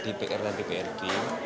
dpr dan dprd